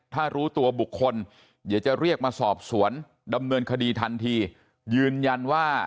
ถ้ารู้ตัวบุคคลเดี๋ยวจะเรียกมาสอบสวนดำเนินคดีทันทียืนยันว่า